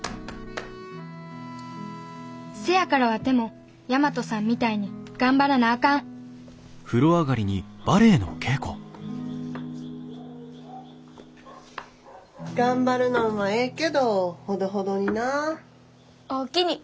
せやからワテも大和さんみたいに頑張らなあかん頑張るのんはええけどほどほどにな。おおきに。